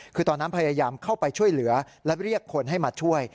คือตอนนั้นพยายามเข้าไปช่วยเหลือและเรียกคนให้มาช่วย